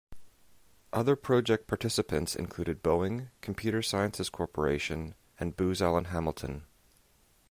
Other project participants included Boeing, Computer Sciences Corporation, and Booz Allen Hamilton.